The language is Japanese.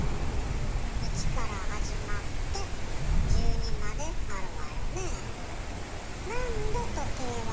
１から始まって１２まであるわよね。